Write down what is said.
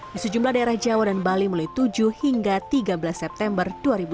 di sejumlah daerah jawa dan bali mulai tujuh hingga tiga belas september dua ribu dua puluh